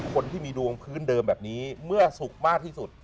คนที่มีดวงพื้นเดิมแบบนี้เมื่อสุขมากที่สุด